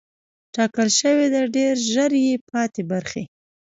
ټاکل شوې ده ډېر ژر یې پاتې برخې